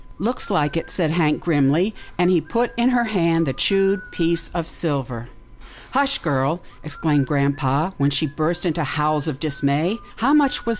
" Looks like it," said Hank, grimly, and he put in her hand the chewed piece of silver. " Hush, girl! " exclaimed grampa, when she burst into howls of dismay, " how much was the thing worth?